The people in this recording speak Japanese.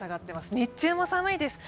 日中も寒いです。